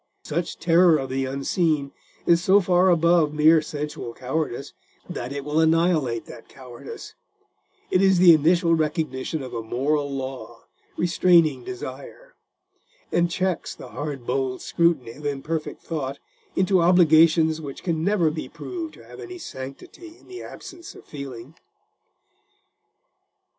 Such terror of the unseen is so far above mere sensual cowardice that it will annihilate that cowardice: it is the initial recognition of a moral law restraining desire, and checks the hard bold scrutiny of imperfect thought into obligations which can never be proved to have any sanctity in the absence of feeling.